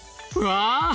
うわ！